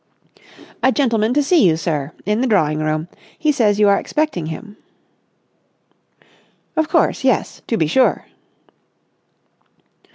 "A gentleman to see you, sir. In the drawing room. He says you are expecting him." "Of course, yes. To be sure."